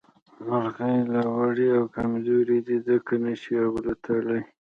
مرغۍ لا وړې او کمزورې دي ځکه نه شي اوتلې